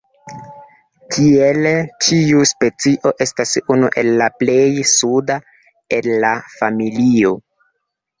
Tiele tiu specio estas unu el la plej suda el la familio.